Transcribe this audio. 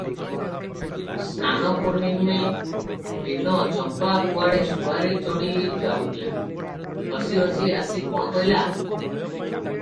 ସ୍ନାନପୂର୍ଣ୍ଣମୀ ଦିନ ଚମ୍ପା କୁଆଡ଼େ ସୁଆରି ଚଢ଼ିଯାଉଥିଲା, ହସି ହସି ଆସି କଣ କହିଲା ।